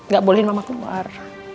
gak bolehin mama keluar